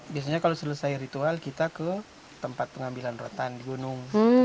biasanya kalau selesai ritual kita ke tempat pengambilan rotan di gunung